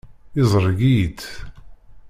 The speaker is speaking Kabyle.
Izreg-iyi-tt.